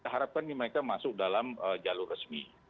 harapkan mereka masuk dalam jalur resmi